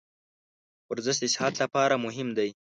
ورزش د صحت لپاره مهم دی.